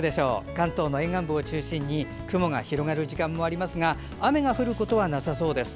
関東の沿岸部を中心に雲が広がる時間もありますが雨が降ることはなさそうです。